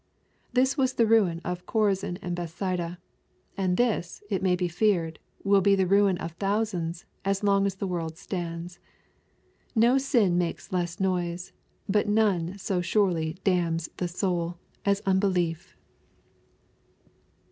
This was the ruin of Chorazin and Bethsaida. And this, it may be feared, will be the ruin of thousands, as long as the world stands. No sin makes less noise, but none so surely damns the soul, as unbelief.